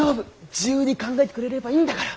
自由に考えてくれればいいんだから。